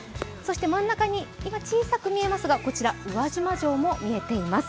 真ん中に今、小さく見えますが、宇和島城も見えています。